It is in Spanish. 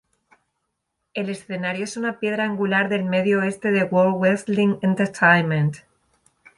El escenario es una piedra angular del medio oeste de World Wrestling Entertainment.